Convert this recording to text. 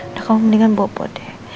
udah kamu mendingan bawa bawa deh